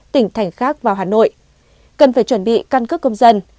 tỉnh thành khác vào hà nội cần phải chuẩn bị căn cước công dân